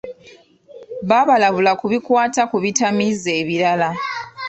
Babalabula ku bikwata ku bitamiiza ebirala.